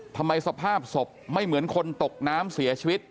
สภาพศพไม่เหมือนคนตกน้ำเสียชีวิต